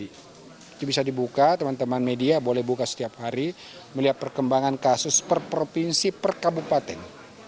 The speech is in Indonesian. itu bisa dibuka teman teman media boleh buka setiap hari melihat perkembangan kasus per provinsi per kabupaten